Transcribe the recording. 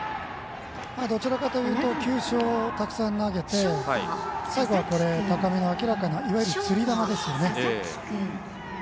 どちらかというと球種をたくさん投げて最後は高めの明らかないわゆる、つり球です。